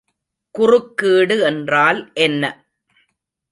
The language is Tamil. குறுக்கீடு என்றால் என்ன?